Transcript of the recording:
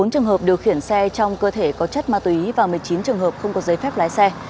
bốn trường hợp điều khiển xe trong cơ thể có chất ma túy và một mươi chín trường hợp không có giấy phép lái xe